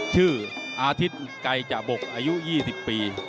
ชื่ออาทิตย์ไกรจบกอายุ๒๐ปี